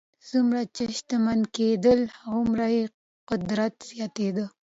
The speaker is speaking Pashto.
څومره چې شتمن کېدل هغومره یې قدرت زیاتېده.